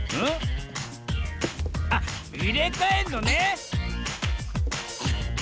あっいれかえんのね！